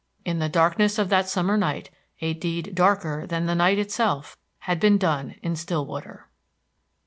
In the darkness of that summer night a deed darker than the night itself had been done in Stillwater.